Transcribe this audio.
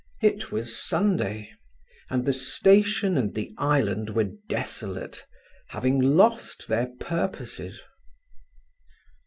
It was Sunday, and the station and the island were desolate, having lost their purposes.